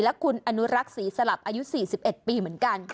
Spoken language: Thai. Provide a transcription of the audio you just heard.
และคุณอนุรักษ์ศรีสลับอายุ๔๑ปีเหมือนกัน